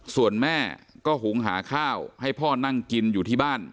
ส่วนแม่ก็หุงหาข้าวให้พ่อนั่งกินอยู่ที่บ้าน